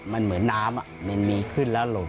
มันเหมือนน้ำมันมีขึ้นแล้วลม